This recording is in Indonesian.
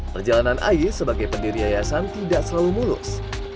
perjalanan ais sebagai pendiri yayasan tidak selalu mulus